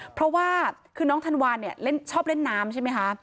เพราะว่าน้องธันวาชอบเล่นน้ำใช่ไหมคะ